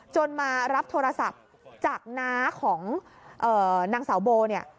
มารับโทรศัพท์จากน้าของนางสาวโบเนี่ย